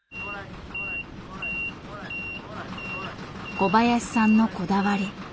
小林さんのこだわり。